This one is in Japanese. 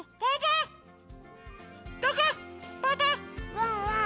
ワンワン